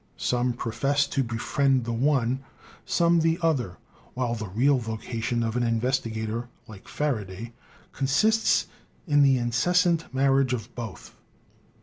Some profess to befriend the one, some the other, while the real vocation of an investigator, like Faraday, consists in the incessant marriage of both.